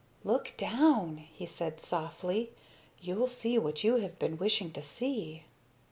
"Look down," he said softly, "you'll see what you have been wishing to see."